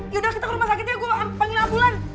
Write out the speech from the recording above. yaudah kita ke rumah sakit ya gue panggil ambulan